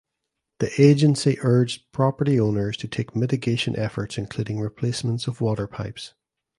The agency urged property owners to take mitigation efforts including replacements of water pipes.